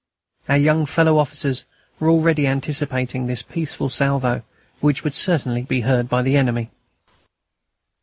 Our young fellow officers were already anticipating this peaceful salvo, which would certainly be heard by the enemy.